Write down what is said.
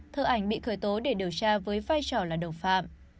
thơ ảnh bị khởi tố để điều tra với vai trò là đồng phạm